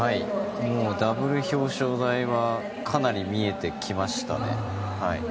ダブル表彰台はかなり見えてきましたね。